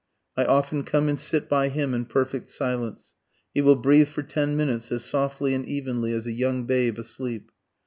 I often come and sit by him in perfect silence; he will breathe for ten minutes as softly and evenly as a young babe asleep.